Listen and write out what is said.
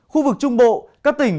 khu vực trung bộ các tỉnh